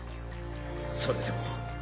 それでも。